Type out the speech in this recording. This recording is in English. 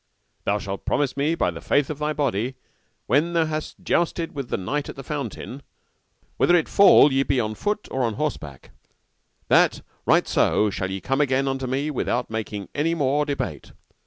Thou shalt promise me by the faith of thy body, when thou hast jousted with the knight at the fountain, whether it fall ye be on foot or on horseback, that right so ye shall come again unto me without making any more debate.